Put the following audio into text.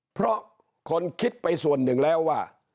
เพราะคนคิดไปส่วนหนึ่งแล้วว่า